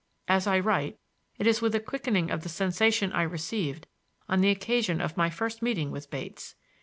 As I write, it is with a quickening of the sensation I received on the occasion of my first meeting with Bates.